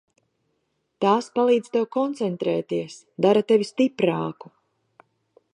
Tās palīdz tev koncentrēties, dara tevi stiprāku.